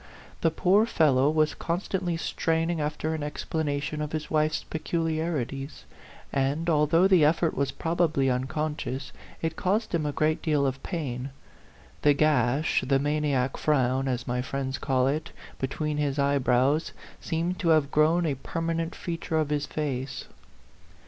The poor fellow was constantly straining after an explanation of his wife's peculiarities; and, although the effort was probably un conscious, it caused him a great deal of pain. The gash the maniac frown, as my friends call it between his eyebrows seemed to have grown a permanent feature of his face.